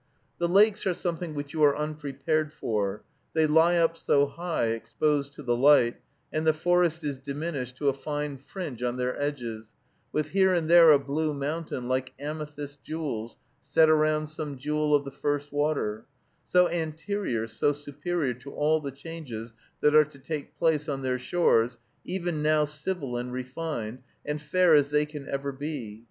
The lakes are something which you are unprepared for; they lie up so high, exposed to the light, and the forest is diminished to a fine fringe on their edges, with here and there a blue mountain, like amethyst jewels set around some jewel of the first water, so anterior, so superior, to all the changes that are to take place on their shores, even now civil and refined, and fair as they can ever be.